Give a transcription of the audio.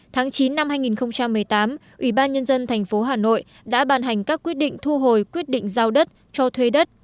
tháng chín năm hai nghìn một mươi tám ủy ban nhân dân tp hà nội đã bàn hành các quyết định thu hồi quyết định giao đất cho thuê đất